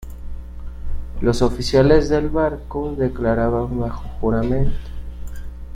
Los oficiales del barco declaraban bajo juramento.